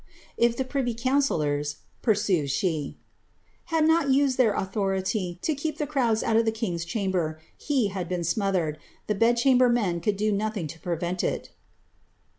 If the privy councillors," pursues ■he, ^ had not used their authority to keep the crowds out of the king^s chamber, he had been sibothcred ; the bed chamber men could do nothing to prevent it."